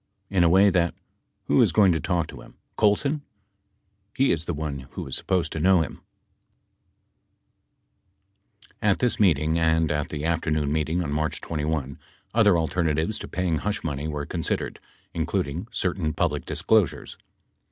In a way that — who is going to talk to him ? Colson ? He is the one who is supposed to know him ? [Emphasis added.] [pp. 236 37] At this meeting and at the afternoon meeting on March 21, other alternatives to paying hush money were considered including certain public disclosures.